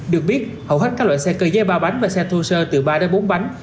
được biết hầu hết các loại xe cơ giới ba bánh và xe thô sơ từ ba đến bốn bánh